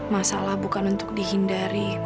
masalah bukan untuk dihindari